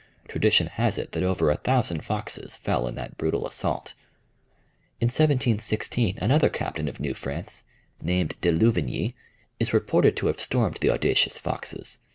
Tradition has it that over a thousand Foxes fell in that brutal assault. In 1716 another captain of New France, named De Louvigny, is reported to have stormed the audacious Foxes.